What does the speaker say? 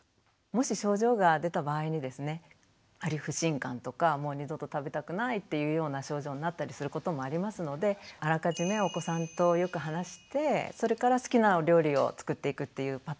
もし症状が出た場合にですねやはり不信感とかもう二度と食べたくないっていうような症状になったりすることもありますのであらかじめお子さんとよく話してそれから好きなお料理を作っていくっていうパターンの方がよいと思います。